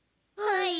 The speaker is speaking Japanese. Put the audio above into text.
はい。